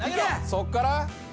そっから？